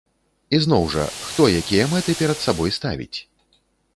І зноў жа, хто якія мэты перад сабой ставіць.